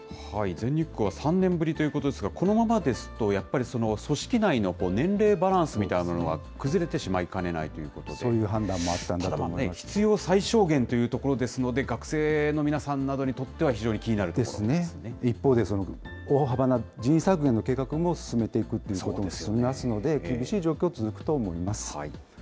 全日空は３年ぶりということですが、このままですと、やっぱり組織内の年齢バランスみたいなものが崩れてしまいかねなそういう判断もあったんだとただ必要最小限というところですので、学生の皆さんなどにとっては、非常に気になるところで一方で、大幅な人員削減の計画も進めていくということもありますので、厳しい状況続くと思います。